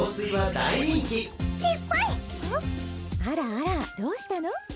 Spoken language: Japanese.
あらあらどうしたの？